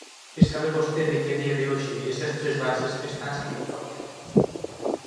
E sabe vostede que a día de hoxe esas tres bases están sen helicóptero.